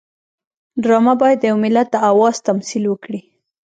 ډرامه باید د یو ملت د آواز تمثیل وکړي